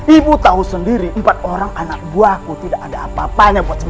ibu tahu sendiri empat orang anak bu aku tidak ada apa apanya bu rosmina